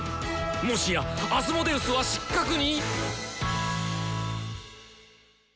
もしやアスモデウスは失格に⁉